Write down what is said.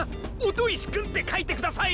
音石くんって書いてください。